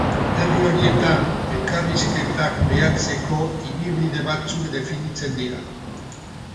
Herri horietan, elkarrizketak behatzeko ibilbide batzuk definitzen dira.